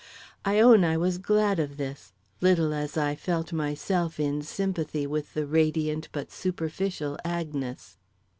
I own I was glad of this, little as I felt myself in sympathy with the radiant but superficial Agnes.